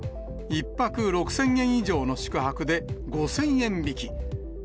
１泊６０００円以上の宿泊で５０００円引き。